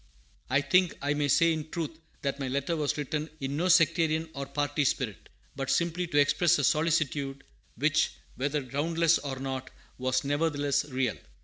I think I may say in truth that my letter was written in no sectarian or party spirit, but simply to express a solicitude, which, whether groundless or not, was nevertheless real.